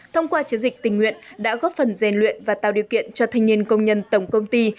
thông qua chiến dịch tình nguyện đã góp phần rèn luyện và tạo điều kiện cho thanh niên công nhân tổng công ty